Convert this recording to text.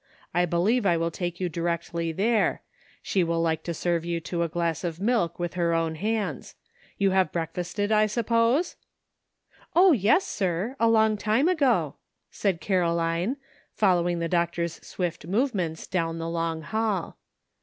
I believe I will take you directly there ; she will like to serve you to a glass of milk with her own hands ; you have breakfasted, I suppose ?"" O, yes, sir! a long time ago," said Caro line, following the doctor's swift movements down the long hall.